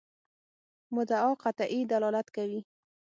مدعا قطعي دلالت کوي.